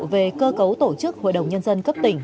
về cơ cấu tổ chức hội đồng nhân dân cấp tỉnh